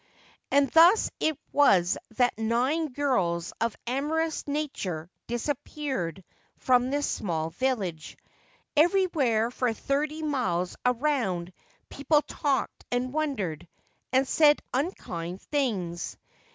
And thus it was that nine girls of amorous nature dis appeared from this small village. Everywhere for thirty miles round people talked and wondered, and said unkind things.